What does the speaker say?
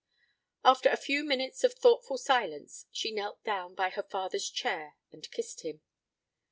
After a few minutes of thoughtful silence, she knelt down by her father's chair and kissed him.